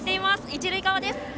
一塁側です。